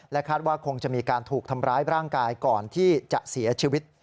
คาดว่าคงจะมีการถูกทำร้ายร่างกายก่อนที่จะเสียชีวิต